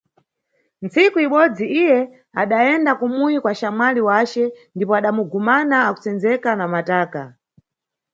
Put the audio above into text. Ntsiku ibodzi iye adayenda kumuyi kwa xamwali wace ndipo adamugumana akusendzeka na mataka.